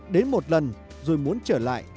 đến một lần rồi muốn trở lại